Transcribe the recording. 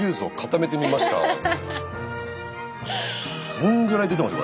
そんぐらい出てます